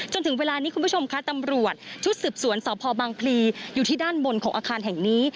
จนถึงเวลานี้คุณผู้ชมคะตำรวจชุดสืบสวนสพบังพลีอยู่ที่ด้านบนของอาคารแห่งนี้